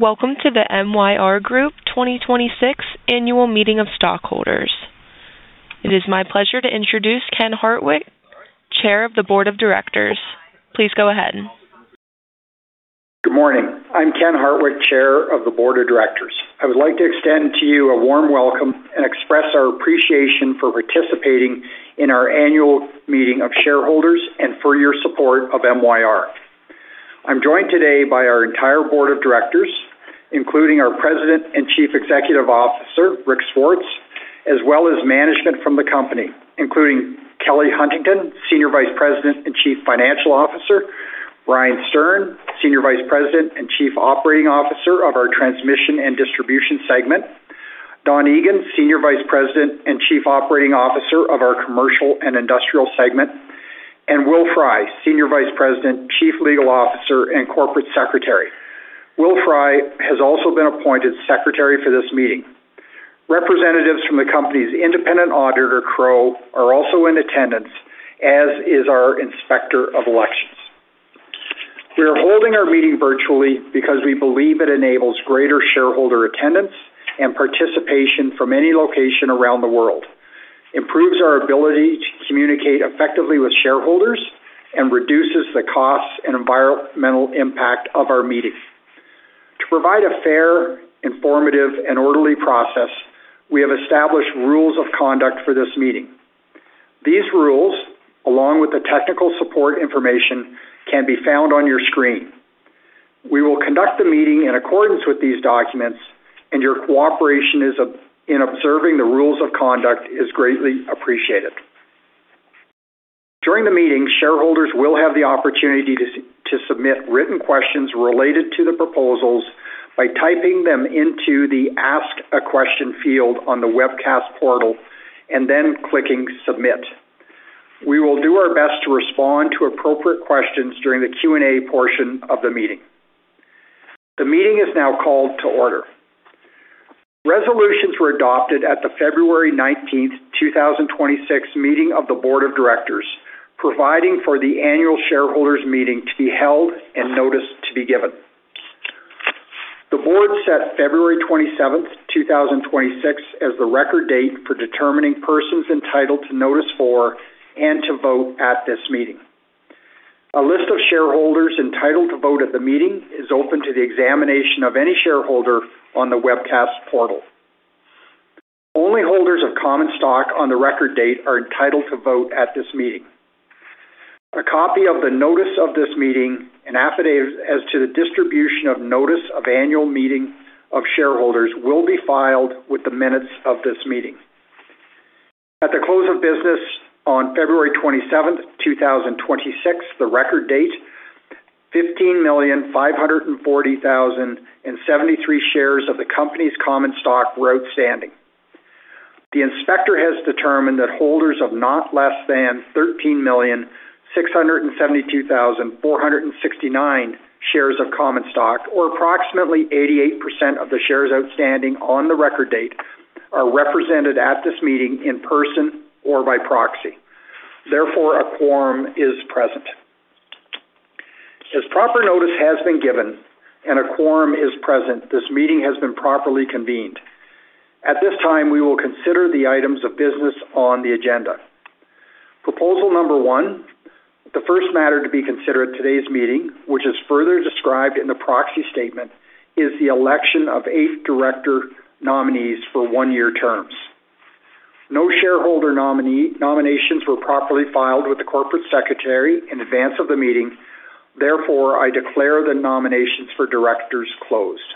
Welcome to the MYR Group 2026 annual meeting of stockholders. It is my pleasure to introduce Ken Hartwick, Chair of the Board of Directors. Please go ahead. Good morning. I'm Ken Hartwick, Chairman of the Board of Directors. I would like to extend to you a warm welcome and express our appreciation for participating in our annual meeting of shareholders and for your support of MYR. I'm joined today by our entire board of directors, including our President and Chief Executive Officer, Rick Swartz, as well as management from the company, including Kelly Huntington, Senior Vice President and Chief Financial Officer, Brian Stern, Senior Vice President and Chief Operating Officer of our Transmission and Distribution segment, Don Egan, Senior Vice President and Chief Operating Officer of our Commercial and Industrial segment, and Will Fry, Senior Vice President, Chief Legal Officer, and Corporate Secretary. Will Fry has also been appointed secretary for this meeting. Representatives from the company's independent auditor, Crowe, are also in attendance, as is our inspector of elections. We are holding our meeting virtually because we believe it enables greater shareholder attendance and participation from any location around the world, improves our ability to communicate effectively with shareholders, and reduces the costs and environmental impact of our meeting. To provide a fair, informative, and orderly process, we have established rules of conduct for this meeting. These rules, along with the technical support information, can be found on your screen. We will conduct the meeting in accordance with these documents, and your cooperation in observing the rules of conduct is greatly appreciated. During the meeting, shareholders will have the opportunity to submit written questions related to the proposals by typing them into the Ask a Question field on the webcast portal and then clicking Submit. We will do our best to respond to appropriate questions during the Q&A portion of the meeting. The meeting is now called to order. Resolutions were adopted at the February 19th, 2026, meeting of the board of directors, providing for the annual shareholders meeting to be held and notice to be given. The board set February 27th, 2026, as the record date for determining persons entitled to notice for and to vote at this meeting. A list of shareholders entitled to vote at the meeting is open to the examination of any shareholder on the webcast portal. Only holders of common stock on the record date are entitled to vote at this meeting. A copy of the notice of this meeting and affidavit as to the distribution of notice of annual meeting of shareholders will be filed with the minutes of this meeting. At the close of business on February 27th, 2026, the record date, 15,540,073 shares of the company's common stock were outstanding. The inspector has determined that holders of not less than 13,672,469 shares of common stock, or approximately 88% of the shares outstanding on the record date, are represented at this meeting in person or by proxy. Therefore, a quorum is present. As proper notice has been given and a quorum is present, this meeting has been properly convened. At this time, we will consider the items of business on the agenda. Proposal number one, the first matter to be considered at today's meeting, which is further described in the Proxy Statement, is the election of eight director nominees for one-year terms. No shareholder nominations were properly filed with the Corporate Secretary in advance of the meeting. Therefore, I declare the nominations for directors closed.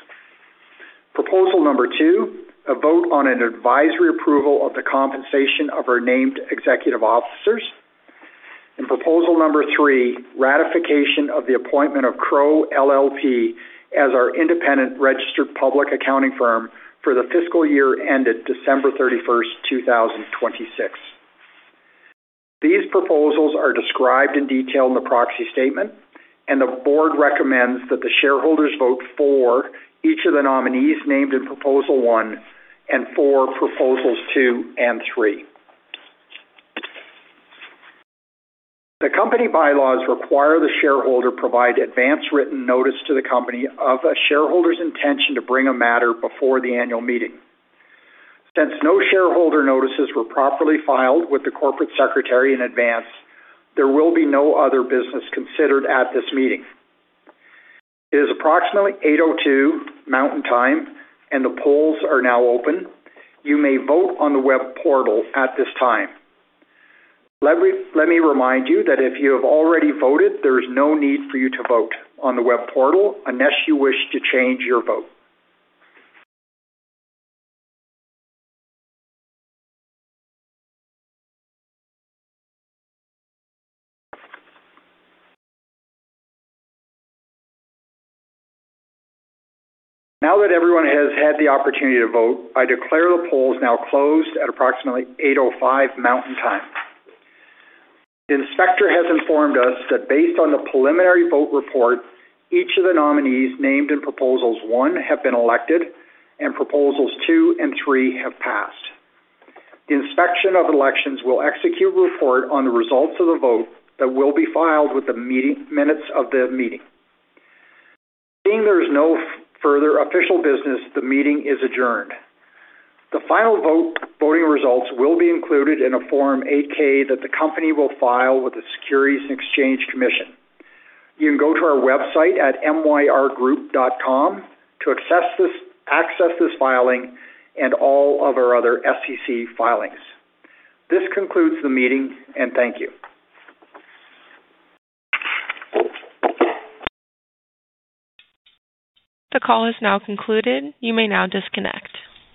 Proposal number two, a vote on an advisory approval of the compensation of our Named Executive Officers. Proposal 3, ratification of the appointment of Crowe LLP as our independent registered public accounting firm for the fiscal year ended December 31st, 2026. These proposals are described in detail in the proxy statement, and the board recommends that the shareholders vote for each of the nominees named in proposal 1 and for proposals 2 and 3. The company bylaws require the shareholder provide advance written notice to the company of a shareholder's intention to bring a matter before the annual meeting. Since no shareholder notices were properly filed with the Corporate Secretary in advance, there will be no other business considered at this meeting. It is approximately 8:02 Mountain Time, and the polls are now open. You may vote on the web portal at this time. Let me remind you that if you have already voted, there is no need for you to vote on the web portal unless you wish to change your vote. Now that everyone has had the opportunity to vote, I declare the polls now closed at approximately 8:05 Mountain Time. The inspector has informed us that based on the preliminary vote report, each of the nominees named in Proposal 1 have been elected and Proposals 2 and 3 have passed. The inspector of elections will execute a report on the results of the vote that will be filed with the minutes of the meeting. Seeing there is no further official business, the meeting is adjourned. The final voting results will be included in a Form 8-K that the company will file with the Securities and Exchange Commission. You can go to our website at myrgroup.com to access this filing and all of our other SEC filings. This concludes the meeting, and thank you. The call is now concluded. You may now disconnect.